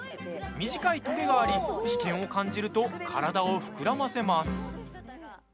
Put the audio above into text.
短いとげがあり、危険を感じると体を膨らませます。